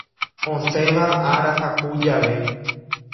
Osẽva ára haku jave.